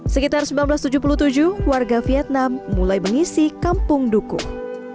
sekitar seribu sembilan ratus tujuh puluh tujuh warga vietnam mulai mengisi kampung dukung